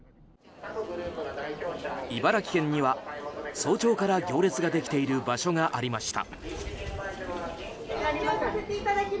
茨城県には早朝から行列ができている場所がありました。